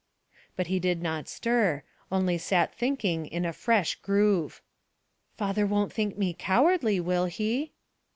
But he did not stir, only sat thinking in a fresh groove. "Father won't think me cowardly, will he?"